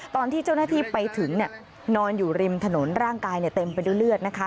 ตอนที่เจ้าหน้าที่ไปถึงนอนอยู่ริมถนนร่างกายเต็มไปด้วยเลือดนะคะ